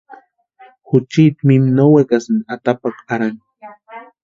Juchiti mimi no wekasïnti atapakwa arhani.